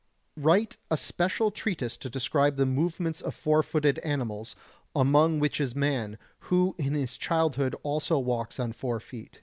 119. Write a special treatise to describe the movements of four footed animals, among which is man, who in his childhood also walks on four feet.